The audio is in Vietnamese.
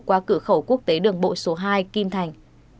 qua cửa khẩu quốc tế đường bộ số hai kim thành